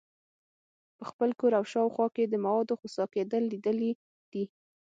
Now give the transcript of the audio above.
په خپل کور او شاوخوا کې د موادو خسا کیدل لیدلي دي.